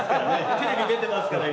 テレビ出てますから今。